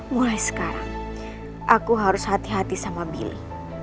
mulai sekarang aku harus hati hati sama billy